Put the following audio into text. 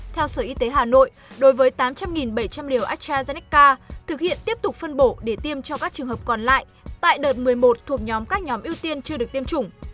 theo sở y tế hà nội đối với tám trăm linh bảy trăm linh liều astrazeneca thực hiện tiếp tục phân bổ để tiêm cho các trường hợp còn lại tại đợt một mươi một thuộc nhóm các nhóm ưu tiên chưa được tiêm chủng